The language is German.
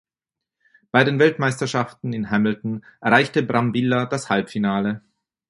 Bei den Weltmeisterschaften in Hamilton erreichte Brambilla das Halbfinale.